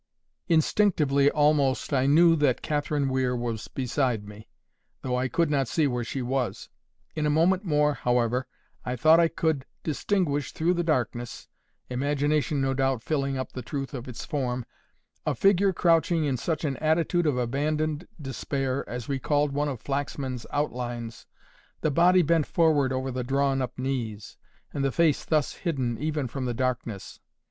Instinctively almost I knew that Catherine Weir was beside me, though I could not see where she was. In a moment more, however, I thought I could distinguish through the darkness—imagination no doubt filling up the truth of its form—a figure crouching in such an attitude of abandoned despair as recalled one of Flaxman's outlines, the body bent forward over the drawn up knees, and the face thus hidden even from the darkness.